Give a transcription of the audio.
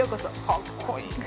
かっこいい！